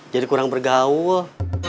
jadi kurang bergaul